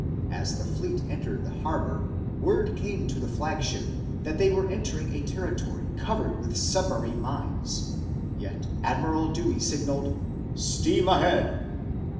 As the fleet entered the harbor word came to the flagship that they were entering a territory covered with submarine mines, yet Admiral Dewey signaled, "Steam ahead."